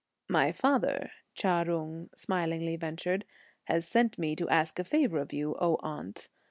"My father," Chia Jung smilingly ventured, "has sent me to ask a favour of you, aunt.